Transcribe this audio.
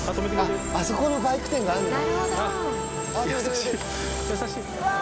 あそこのバイク店があんだ。